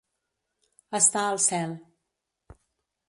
Estar al cel.